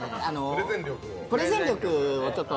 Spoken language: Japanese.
プレゼン力をちょっと。